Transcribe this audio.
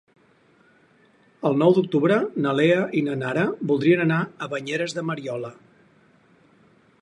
El nou d'octubre na Lea i na Nara voldrien anar a Banyeres de Mariola.